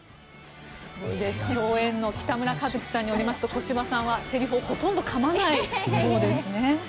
共演の北村一輝さんによりますと小芝さんはセリフをほとんどかまないそうですね。